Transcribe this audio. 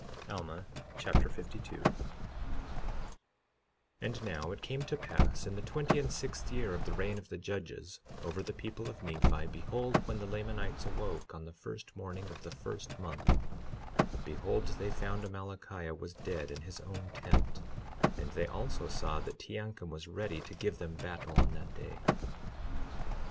Alma Chapter 52 52:1 And now, it came to pass in the twenty and sixth year of the reign of the judges over the people of Nephi, behold, when the Lamanites awoke on the first morning of the first month, behold, they found Amalickiah was dead in his own tent; and they also saw that Teancum was ready to give them battle on that day.